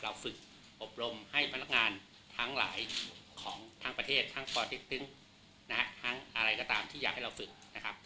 ฝึกอบรมให้พนักงานทั้งหลายของทั้งประเทศทั้งปติ๊กตึ้งนะฮะทั้งอะไรก็ตามที่อยากให้เราฝึกนะครับ